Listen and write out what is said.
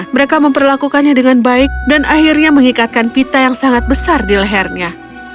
mereka memperlakukannya dengan baik dan akhirnya mengikatkan pita yang sangat besar di lehernya